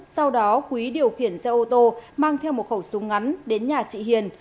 sau đó quý điều khiển xe ô tô mang theo một khẩu súng ngắn đến nhà chị hiền